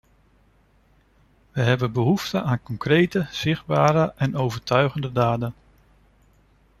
We hebben behoefte aan concrete, zichtbare en overtuigende daden.